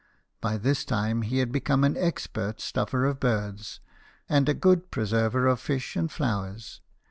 By this time he had become an expert stuffer of birds, and a good preserver of iish and flowers.